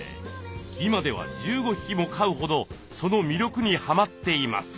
今では１５匹も飼うほどその魅力にはまっています。